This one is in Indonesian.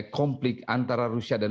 konflik antara rusia dan